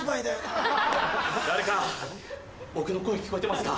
誰か僕の声聞こえてますか？